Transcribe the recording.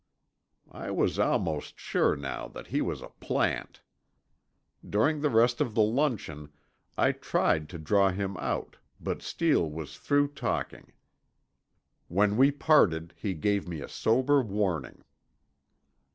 I was almost sure now that he was a plant. During the rest of the luncheon, I tried to draw him out, but Steele was through talking. When we parted, he gave me a sober warning.